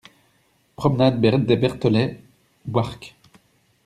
Promenade des Bertholet, Warcq